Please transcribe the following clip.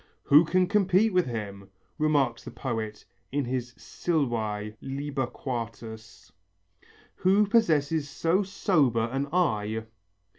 "Who can compete with him," remarks the poet in his Silvæ, lib. IV, "who possesses so sober an eye?